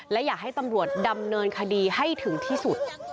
และอยากให้ตำรวจดำเนินคดีให้ถึงที่สุด